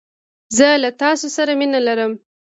زه له تاسو سره مينه لرم